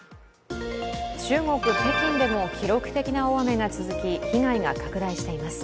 中国・北京でも記録的な大雨が続き、被害が拡大しています。